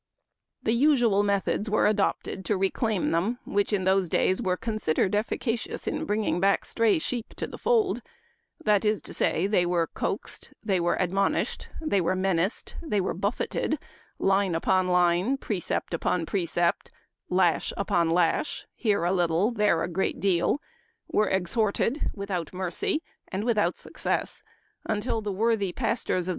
" The usual methods were adopted to reclaim them which, in those days, were considered efficacious in bringing back stray sheep to the fold ; that is to say, they were coaxed, they were admonished, they were menaced, they were buffeted — line upon line, precept upon precept, lash upon lash, here a little, there a great deal — were exhorted without mercy, and without success — until the worthy Pastors of Memoir of Washington Irving.